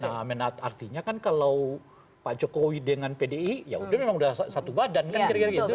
nah menata artinya kan kalau pak jokowi dengan pdi yaudah memang sudah satu badan kan kira kira gitu ya